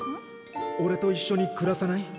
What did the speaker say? おれといっしょに暮らさない？